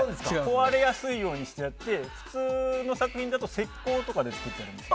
壊れるようにしてあって普通の作品だと石膏とかで作っているんです。